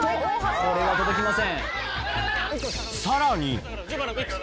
これは届きません